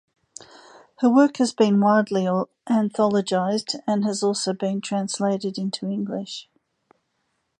Her work has been widely anthologized and has also been translated into English.